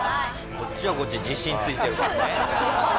こっちはこっちで自信ついてるからね。